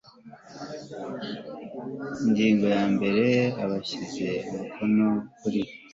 Ingingo ya mbere Abashyize umukono kuri